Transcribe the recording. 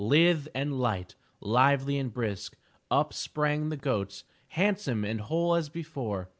Lithe and light, lively and brisk, up sprang the goats, handsome and whole as before.